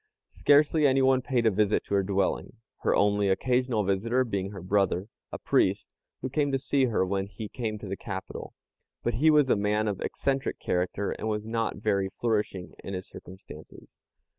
Scarcely anyone paid a visit to her dwelling, her only occasional visitor being her brother, a priest, who came to see her when he came to the capital, but he was a man of eccentric character, and was not very flourishing in his circumstances.